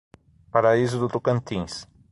Paraíso do Tocantins